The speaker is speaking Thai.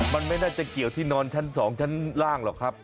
มันไม่น่าจะเกี่ยวที่นอนชั้น๒ชั้นล่างหรอกครับ